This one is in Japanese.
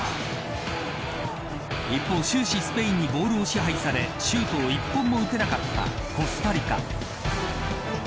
一方、終始スペインにボールを支配されシュートを１本も打てなかったコスタリカ。